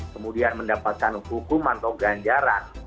kemudian mendapatkan hukuman atau ganjaran